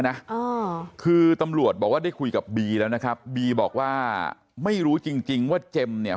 อ่าคือตำรวจบอกว่าได้คุยกับบีแล้วนะครับบีบอกว่าไม่รู้จริงจริงว่าเจมส์เนี่ย